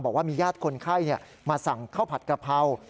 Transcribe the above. บอกว่ามีญาติคนไข้มาสั่งข้าวผัดกระเพรา